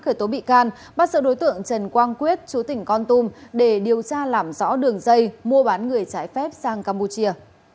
cô bị can bắt sợ đối tượng trần quang quyết chú tỉnh con tum để điều tra làm rõ đường dây mua bán người trái phép sang campuchia